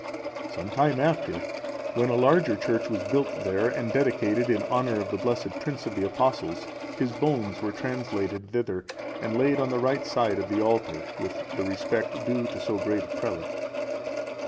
Some time after, when a larger church was built there and dedicated in honour of the blessed prince of the Apostles, his bones were translated thither, and laid on the right side of the altar, with the respect due to so great a prelate.